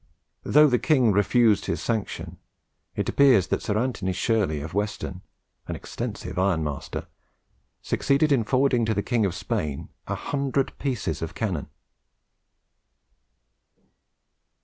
Though the king refused his sanction, it appears that Sir Anthony Shirley of Weston, an extensive iron master, succeeded in forwarding to the King of Spain a hundred pieces of cannon.